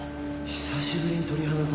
「久しぶりに鳥肌立った」